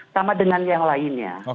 sama dengan yang lainnya